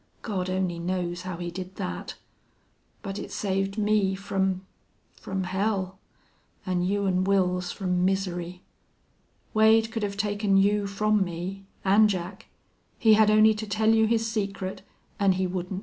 God only knows how he did that. But it saved me from from hell an' you an' Wils from misery.... Wade could have taken you from me an' Jack. He had only to tell you his secret, an' he wouldn't.